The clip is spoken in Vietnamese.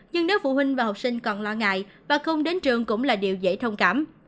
nhưng nếu phụ huynh và học sinh còn lo ngại và không đến trường cũng là điều dễ thông cảm